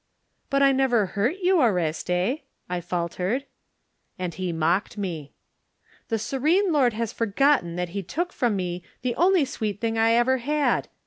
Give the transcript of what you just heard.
"But I never hurt you, Oreste," I fal tered. And he mocked me. "The serene lord has forgotten that he took from me the only sweet thing I ever had.